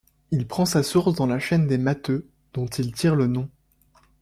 Il prend sa source dans la chaîne des Matheux dont il tire le nom.